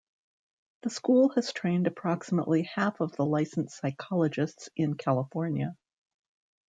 The school has trained approximately half of the licensed psychologists in California.